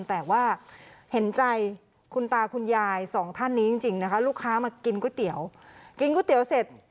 แต่ว่าเห็นใจคุณตาคุณยายสองท่านนี้จริงนะคะลูกค้ามากินก๋วยเตี๋ยวกินก๋วยเตี๋ยวเสร็จ